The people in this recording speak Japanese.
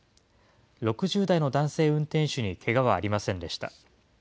６０代の男性運転手にけがはありませんでした。